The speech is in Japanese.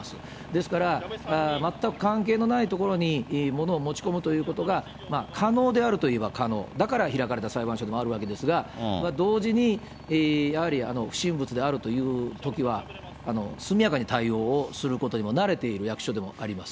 ですから、全く関係のないところに物を持ち込むというのが、可能であるといえば可能、だから開かれた裁判所でもあるわけですが、同時にやはり不審物であるというときは、速やかに対応をすることにも慣れている役所でもあります。